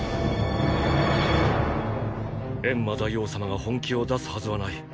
エンマ大王様が本気を出すはずはない。